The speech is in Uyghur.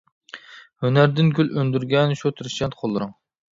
ھۈنەردىن گۈل ئۈندۈرگەن، شۇ تىرىشچان قوللىرىڭ.